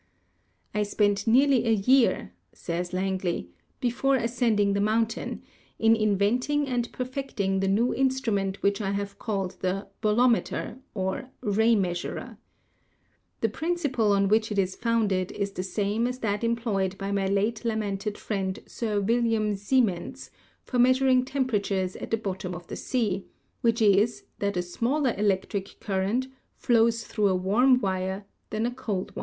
"I spent nearly a year," says Langley, "before as cending the mountain in inventing and perfecting the new instrument which I have called the 'bolometer/ or 'ray measurer.' The principle on which it is founded is the same as that employed by my late lamented friend, Sir William Siemens, for measuring temperatures at the bot tom of the sea, which is that a smaller electric current flows through a warm wire than a cold one.